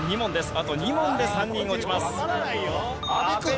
あと２問で３人落ちます。